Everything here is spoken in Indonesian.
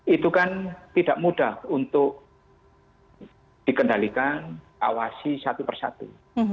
itu kan tidak mudah untuk dikendalikan awasi satu persatu